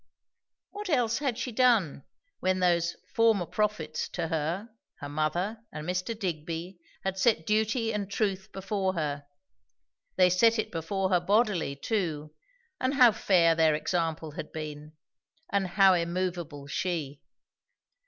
What else had she done? when those "former prophets" to her, her mother, and Mr. Digby, had set duty and truth before her? They set it before her bodily, too; and how fair their example had been! and how immoveable she!